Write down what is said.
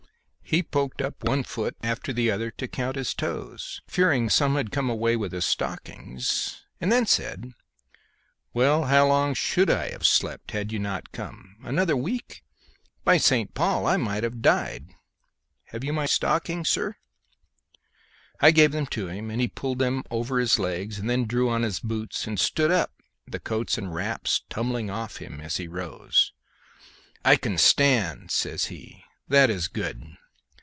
He poked up one foot after the other to count his toes, fearing some had come away with his stockings, and then said, "Well, and how long should I have slept had you not come? Another week! By St. Paul, I might have died. Have you my stockings, sir?" I gave them to him, and he pulled them over his legs and then drew on his boots and stood up, the coats and wraps tumbling off him as he rose. "I can stand," says he. "That is good."